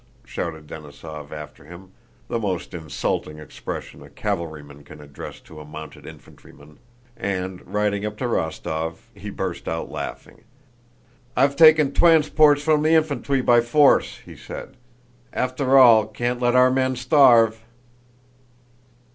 shouted Denísov after him (the most insulting expression a cavalryman can address to a mounted infantryman) and riding up to Rostóv, he burst out laughing. "I've taken twansports from the infantwy by force!" he said. "After all, can't let our men starve."